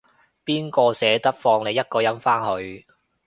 邊個捨得放你一個人返去